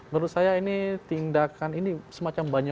menurut saya ini tindakan semacam banyol